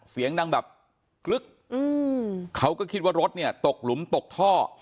เสียงดังแบบกลึกเขาก็คิดว่ารถเนี่ยตกหลุมตกท่อ